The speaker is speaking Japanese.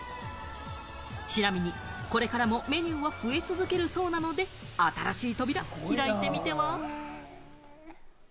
ちなみに、これからもメニューは増え続けるそうなので、新しい扉、開いてみては？